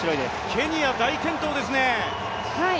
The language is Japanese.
ケニア、大健闘ですね。